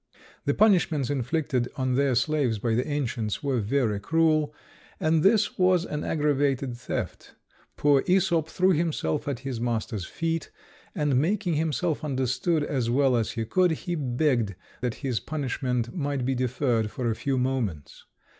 The punishments inflicted on their slaves by the ancients were very cruel, and this was an aggravated theft. Poor Æsop threw himself at his master's feet, and making himself understood as well as he could, he begged that his punishment might be deferred for a few moments.